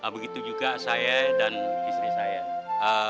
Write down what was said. begitu juga saya dan istri saya